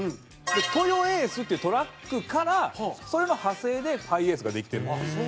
トヨエースっていうトラックからそれの派生でハイエースができてるっていう。